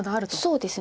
そうですね。